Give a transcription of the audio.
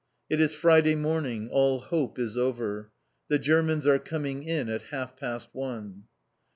It is Friday morning. All hope is over. The Germans are coming in at half past one.